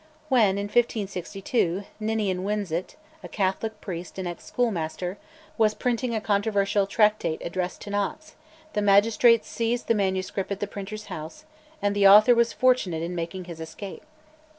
When, in 1562, Ninian Winzet, a Catholic priest and ex schoolmaster, was printing a controversial tractate addressed to Knox, the magistrates seized the manuscript at the printer's house, and the author was fortunate in making his escape.